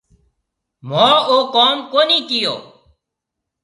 مونه او ڪوم ڪونِي ڪيو۔